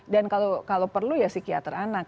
dan kalau perlu ya psikiater anak